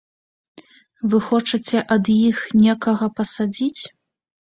Вы хочаце ад іх некага пасадзіць?